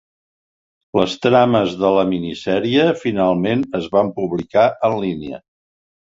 Les trames de la minisèrie finalment es van publicar en línia.